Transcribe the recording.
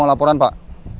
saya mau laporan pak